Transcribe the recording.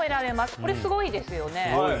これすごいですよね？